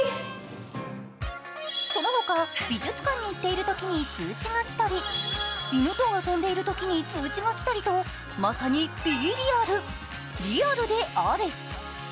そのほか、美術館に行っているときに通知が来たり、犬と遊んでいるときに通知が来たりとまさにＢｅＲｅａｌ＝リアルであれ！